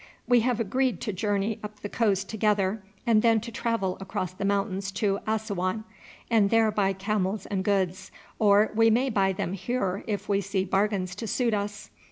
"We have agreed to journey up the coast together and then to travel across the mountains to Assouan, and there buy camels and goods, or we may buy them here if we see bargains to suit us.